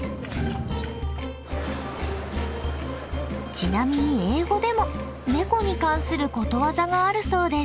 ちなみに英語でもネコに関することわざがあるそうです。